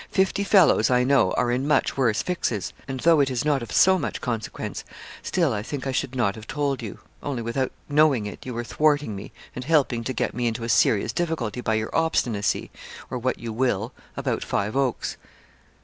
Fifty fellows, I know, are in much worse fixes; and though it is not of so much consequence, still I think I should not have told you; only, without knowing it, you were thwarting me, and helping to get me into a serious difficulty by your obstinacy or what you will about Five Oaks.'